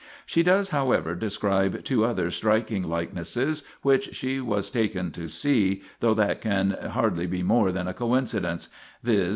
She does, however, describe two other striking like nesses which she was taken to see, though that can hardly be more than a coincidence viz.